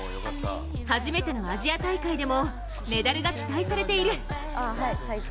初めてのアジア大会でもメダルが期待されている。